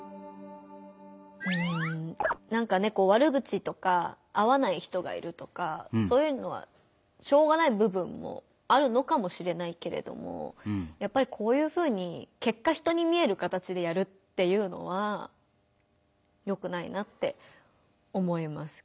うんなんかね悪口とか合わない人がいるとかそういうのはしょうがない部分もあるのかもしれないけれどもやっぱりこういうふうに結果人に見える形でやるっていうのはよくないなって思います。